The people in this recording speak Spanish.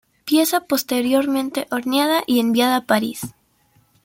Pieza posteriormente horneada y enviada a París.